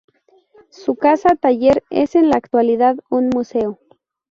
Su casa taller es en la actualidad un Museo.